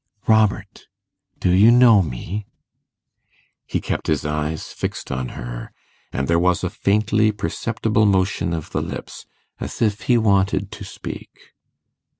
'Robert, do you know me?' He kept his eyes fixed on her, and there was a faintly perceptible motion of the lips, as if he wanted to speak.